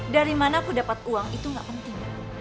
dari mana aku dapat uang itu gak penting